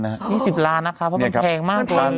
๒๐ล้านบาทนะคะเพราะมันแพงมาก